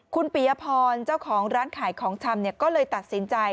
คุณปียพรเจ้าของร้านขายของชำก็เลยตัดสินใจ